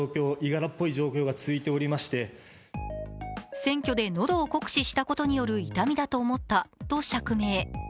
選挙で喉を酷使したことによる痛みだと思ったと釈明。